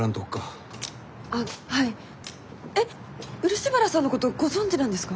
漆原さんのことご存じなんですか？